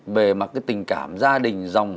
về mặt cái tình cảm gia đình dòng họ